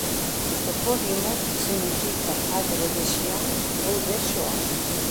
O topónimo significa agro de Xián ou de Xoán.